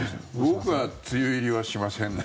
僕は梅雨入りはしませんね